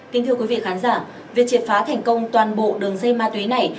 kính thưa quý vị khán giả việc triệt phá thành công toàn bộ đường dây ma túy này